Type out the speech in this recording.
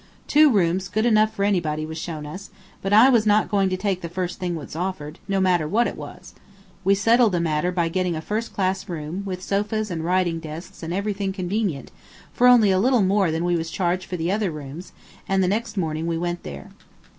Two rooms good enough for anybody was shown us, but I was not going to take the first thing that was offered, no matter what it was. We settled the matter by getting a first class room, with sofas and writing desks and everything convenient, for only a little more than we was charged for the other rooms, and the next morning we went there.